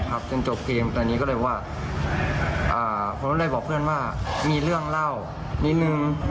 แต่ว่าพวกนู้นตอนที่พวกนู้นมองคือต่างคนก็ต่างเห็นแต่ว่าเราไม่ได้เห็นชัดขนาดนั้นนะ